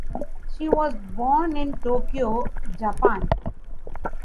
She was born in Tokyo, Japan.